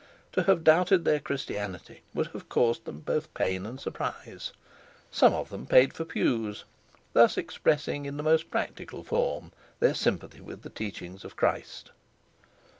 To have doubted their Christianity would have caused them both pain and surprise. Some of them paid for pews, thus expressing in the most practical form their sympathy with the teachings of Christ.